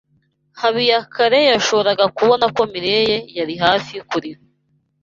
Habiyakare yashoboraga kubona ko Mirelle yari hafi kurira.